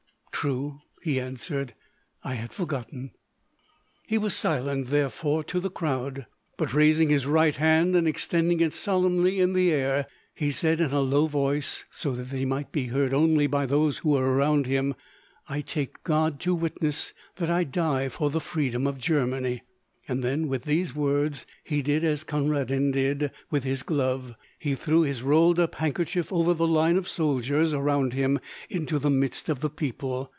"True," he answered; "I had forgotten." He was silent, therefore, to the crowd; but, raising his right hand and extending it solemnly in the air, he said in a low voice, so that he might be heard only by those who were around him, "I take God to witness that I die for the freedom of Germany." Then, with these words, he did as Conradin did with his glove; he threw his rolled up handkerchief over the line of soldiers around him, into the midst of the people.